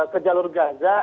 ke jalur gaza